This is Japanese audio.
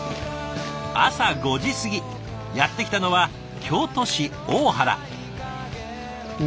朝５時過ぎやって来たのは京都市大原。